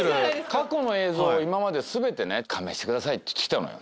過去の映像は今まで全て「勘弁してください」と言って来た